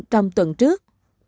trong tuần trước